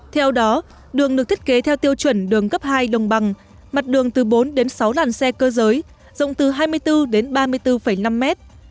theo đó đường được thiết kế theo tiêu chuẩn đường cấp hai đồng bằng mặt đường từ bốn đến sáu làn xe cơ giới rộng từ hai mươi bốn đến ba mươi bốn năm mét